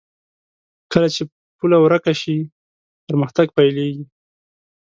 کله چې پوله ورکه شي، پرمختګ پيلېږي.